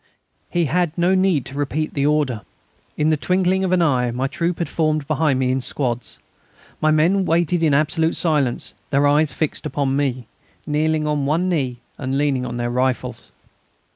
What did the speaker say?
He had no need to repeat the order. In the twinkling of an eye my troop had formed behind me, in squads. My men waited in absolute silence, their eyes fixed upon me, kneeling on one knee, and leaning on their rifles.